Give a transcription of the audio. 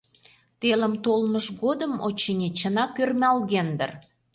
Телым толмыж годым, очыни, чынак ӧрмалген дыр.